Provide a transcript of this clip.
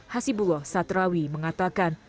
hasibullah satrawi mengatakan